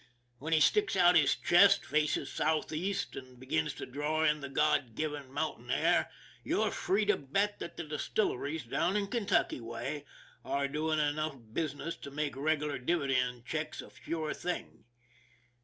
When he sticks out his chest, faces southeast, and be gins to draw in the God given mountain air, you're free to bet that the distilleries down Kentucky way are doing enough business to make regular dividend checks a sure thing.